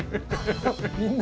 みんな。